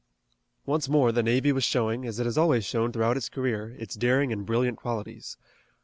Once more the navy was showing, as it has always shown throughout its career, its daring and brilliant qualities.